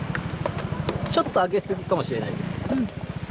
ちょっと上げ過ぎかもしれないです。